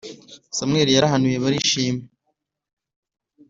samweli yarahanuye barishima